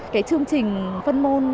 cái chương trình phân môn